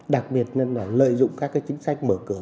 đặc biệt nên lợi dụng các chính sách mở cửa